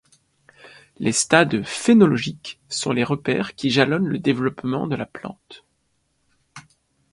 Les stades phénologiques sont les repères qui jalonnent le développement de la plante.